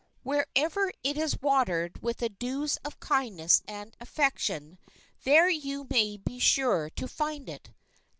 Wherever it is watered with the dews of kindness and affection, there you may be sure to find it.